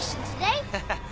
ハハッ。